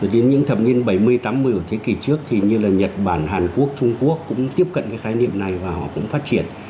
đến những thập niên bảy mươi tám mươi của thế kỷ trước thì như là nhật bản hàn quốc trung quốc cũng tiếp cận cái khái niệm này và họ cũng phát triển